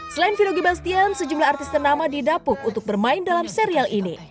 selain vinogi bastian sejumlah artis ternama didapuk untuk bermain dalam serial ini